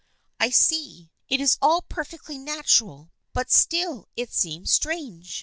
" I see. It is all perfectly natural, but still it seems strange.